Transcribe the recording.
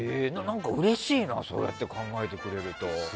うれしいなそうやって考えてくれると。